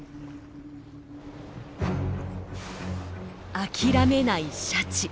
諦めないシャチ。